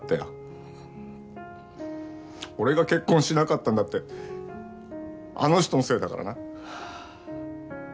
俺が結婚しなかったのだってあの人のせいだからな。